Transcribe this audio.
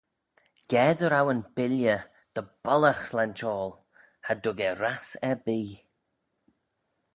Ga ry row yn billey dy bollagh slayntoil, cha dug eh rass erbee.